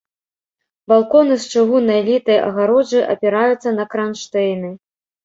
Балконы з чыгуннай літай агароджай апіраюцца на кранштэйны.